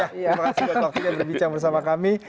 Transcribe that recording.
terima kasih buat waktunya berbicara bersama kami